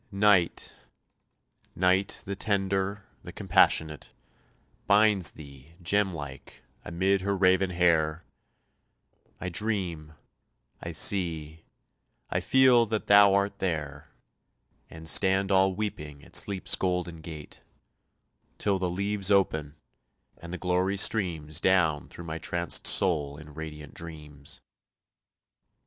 Night Night the tender, the compassionate, Binds thee, gem like, amid her raven hair; I dream I see I feel that thou art there And stand all weeping at Sleep's golden gate, Till the leaves open, and the glory streams Down through my trancèd soul in radiant dreams.